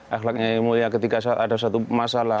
akhlaknya yang moya ketika ada satu masalah